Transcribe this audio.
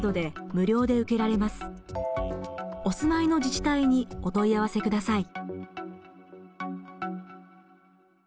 お住まいの自治体にお問い合わせください。